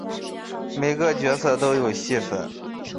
每个角色都有戏份